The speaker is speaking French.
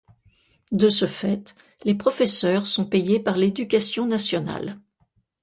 De ce fait, les professeurs sont payés par l’Éducation nationale.